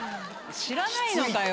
知らないのかよ。